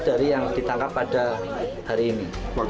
dari yang ditangkap pada hari ini